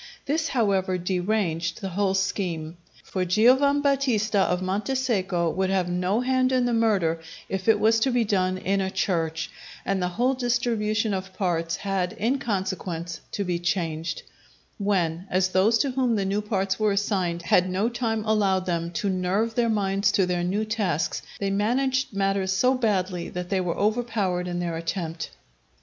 This, however, deranged the whole scheme. For Giovambattista of Montesecco, would have no hand in the murder if it was to be done in a church; and the whole distribution of parts had in consequence to be changed; when, as those to whom the new parts were assigned had no time allowed them to nerve their minds to their new tasks, they managed matters so badly that they were overpowered in their attempt.